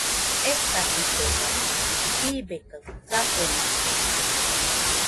Ekasitesa, jibe kaɨ safenaita